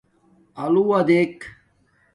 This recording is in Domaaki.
آلݸ وݳ دݵک.